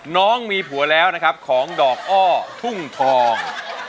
น้องมีผัวแล้วนะครับของดอกอ้อทุ่งทอง